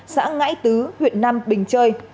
xã ngãi tứ huyện nam bình trời